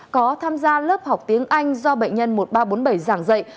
có tham gia lớp học tiếng anh do bệnh nhân một nghìn ba trăm bốn mươi bảy giảng dạy